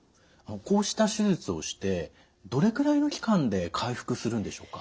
こうした手術をしてどれくらいの期間で回復するんでしょうか。